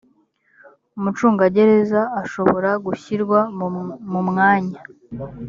umucungagereza ashobora gushyirwa mu mwanya